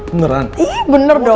beneran ii bener dong